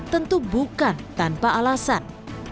tentu bukan tanpa alasan